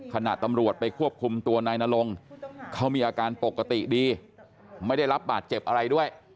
ขณะตำรวจไปควบคุมตัวนายนรงเขามีอาการปกติดีไม่ได้รับบาดเจ็บอะไรด้วย